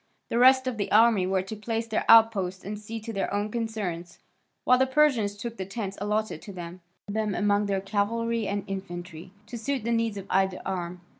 The rest of the army were to place their outposts and see to their own concerns, while the Persians took the tents allotted to them, and divided them among their cavalry and infantry, to suit the needs of either arm.